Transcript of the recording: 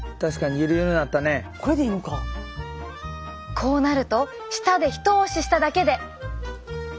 こうなると舌で一押ししただけで。